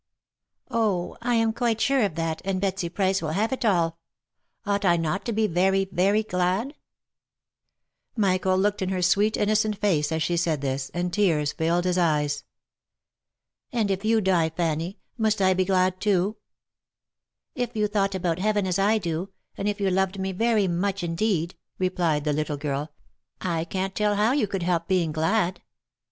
Oh ! I am quite sure of that, and Betsy Price will have it all ! Ought I not to be very, very, glad V* Michael looked in her sweet, innocent face, as she said this, and tears filled his eyes. " And if you die, Fanny, must I be glad too ?"" If you thought about Heaven as I do, and if you loved me very much indeed," replied the little girl, " I can't tell how you could help being glad."